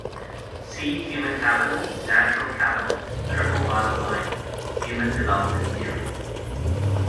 See human capital, natural capital, triple bottom line, human development theory.